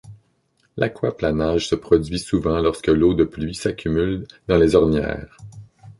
L'aquaplanage se produit souvent lorsque l'eau de pluie s'accumule dans les ornières.